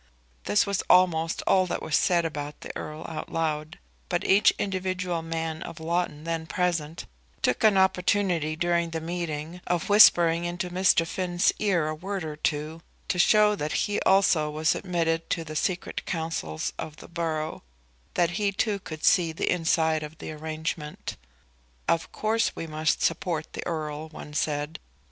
This was almost all that was said about the Earl out loud; but each individual man of Loughton then present took an opportunity during the meeting of whispering into Mr. Finn's ear a word or two to show that he also was admitted to the secret councils of the borough, that he too could see the inside of the arrangement. "Of course we must support the Earl," one said.